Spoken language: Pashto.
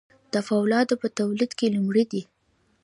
د فولادو په تولید کې لومړی دي.